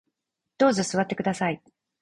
どうぞ座ってください